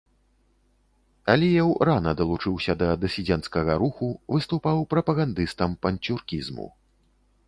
Аліеў рана далучыўся да дысідэнцкага руху, выступаў прапагандыстам панцюркізму.